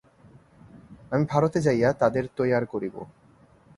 আমি ভারতে যাইয়া তাদের তৈয়ার করিব।